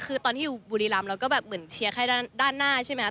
คือตอนที่อยู่บุรีรำเราก็แบบเหมือนเชียร์แค่ด้านหน้าใช่ไหมครับ